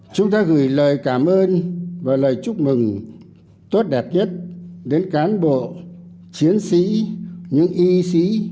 chúng ta gửi lời cảm ơn và lời chúc mừng tốt đẹp nhất đến cán bộ chiến sĩ những y sĩ